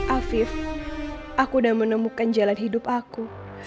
afif aku udah menemukan jalan hidup aku